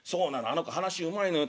あの子話うまいのよ。